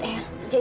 tidak pak fadil